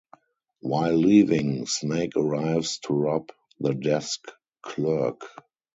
While leaving, Snake arrives to rob the desk clerk.